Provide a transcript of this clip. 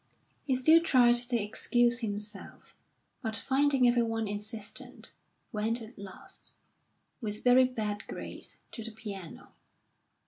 He still tried to excuse himself, but finding everyone insistent, went at last, with very bad grace, to the piano.